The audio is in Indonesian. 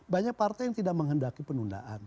banyak partai yang tidak menghendaki penundaan